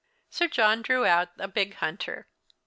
Sir John drew out a big hunter.